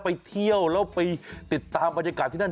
ไปเที่ยวแล้วไปติดตามบรรยากาศที่นั่น